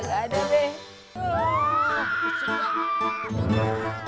gak ada deh